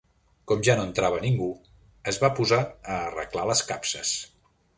Com ja no entrava ningú, es va posar a arreglar les capses